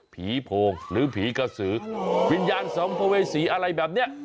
ผีโพงหรือผีกระสือวิญญาณสัมภเวษีอะไรแบบนี้